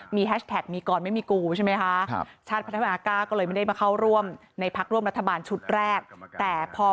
มีแฮชแท็กเกินไม่มีกูใช่ไหมคะ